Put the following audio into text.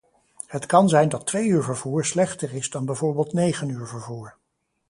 Het kan zijn dat twee uur vervoer slechter is dan bijvoorbeeld negen uur vervoer.